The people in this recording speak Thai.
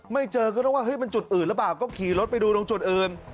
ไม่เจอก็ต้องว่ามันจุดอื่นหรือเปล่าก็ขี่รถไปดูตรงจุดอื่น